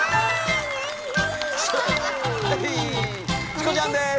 チコちゃんです